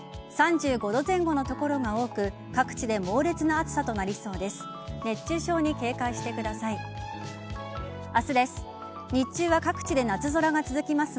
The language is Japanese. ３５度前後の所が多く各地で猛烈な暑さとなりそうです。